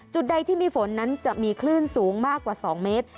ใดที่มีฝนนั้นจะมีคลื่นสูงมากกว่า๒เมตร